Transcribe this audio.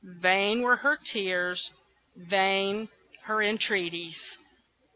Vain were her tears, vain her entreaties.